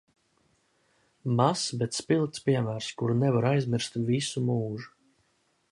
Mazs, bet spilgts piemērs, kuru nevaru aizmirst visu mūžu.